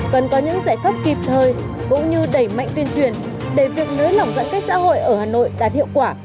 cần có những giải pháp kịp thời cũng như đẩy mạnh tuyên truyền để việc nới lỏng giãn cách xã hội ở hà nội đạt hiệu quả